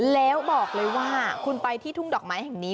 แล้วบอกเลยว่าคุณไปที่ทุ่งดอกไม้แห่งนี้